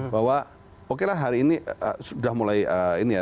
bahwa okelah hari ini sudah mulai ini ya